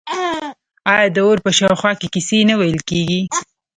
آیا د اور په شاوخوا کې کیسې نه ویل کیږي؟